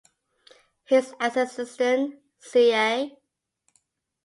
His assistant, C. A.